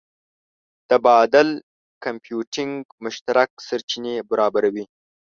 د بادل کمپیوټینګ مشترک سرچینې برابروي.